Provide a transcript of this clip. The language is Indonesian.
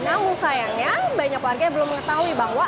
namun sayangnya banyak warga yang belum mengetahui bahwa